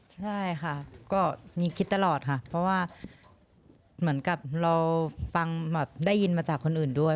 ใช่ค่ะก็มีคิดตลอดค่ะเพราะว่าเหมือนกับเราฟังแบบได้ยินมาจากคนอื่นด้วย